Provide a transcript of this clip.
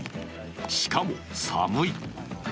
しかも、寒い。